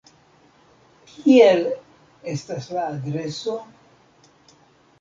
Kiel estas la adreso?